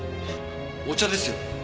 お茶ですよ。